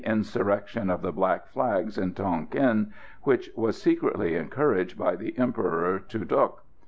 Insurrection of the Black Flags in Tonquin, which was secretly encouraged by the Emperor Tu Duc.